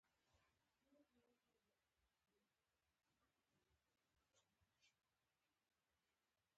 هغه خپل احساس تر ګلابونو پورې رسوي